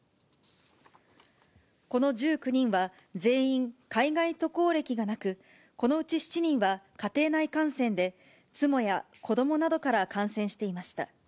この１９人は、全員海外渡航歴がなく、このうち７人は家庭内感染で、妻や子どもなどから感染していました。